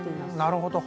なるほど。